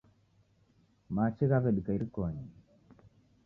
Machi ghaw'edika irikonyi